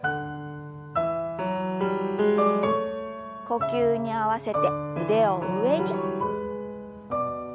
呼吸に合わせて腕を上に。